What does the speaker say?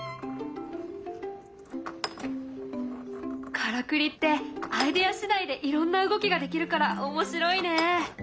からくりってアイデア次第でいろんな動きができるから面白いね。